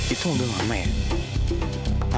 itu udah lama ya